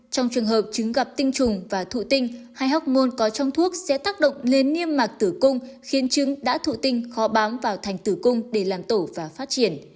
trong trường hợp trứng gặp tinh trùng và thụ tinh hay học môn có trong thuốc sẽ tác động lên niêm mạc tử cung khiến trứng đã thụ tinh khó bám vào thành tử cung để làm tổ và phát triển